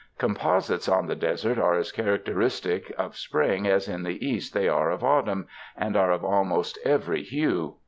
Composites on the desert are as characteristic of spring as in the East they are of autumn, and are of almost every hue.